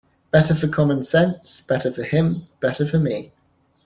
Better for common sense, better for him, better for me.